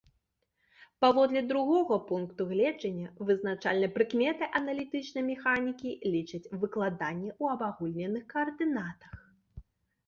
Паводле другога пункту гледжання, вызначальнай прыкметай аналітычнай механікі лічаць выкладанне ў абагульненых каардынатах.